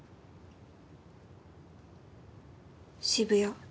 渋谷。